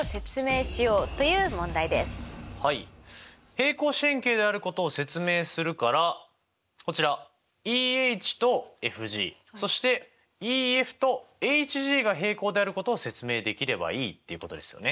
平行四辺形であることを説明するからこちらＥＨとＦＧそしてＥＦとＨＧが平行であることを説明できればいいっていうことですよね。